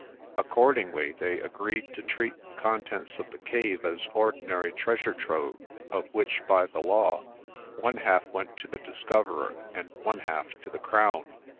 Accordingly they agreed to treat the contents of the cave as ordinary treasure trove, of which by the law, one half went to the discoverer and one half to the Crown.